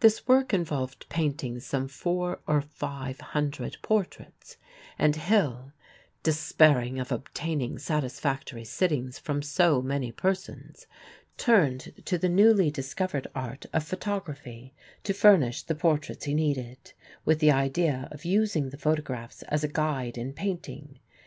This work involved painting some four or five hundred portraits, and Hill, despairing of obtaining satisfactory sittings from so many persons, turned to the newly discovered art of photography to furnish the portraits he needed, with the idea of using the photographs as a guide in painting.